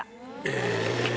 え！